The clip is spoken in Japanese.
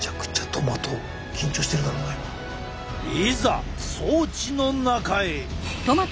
いざ装置の中へ。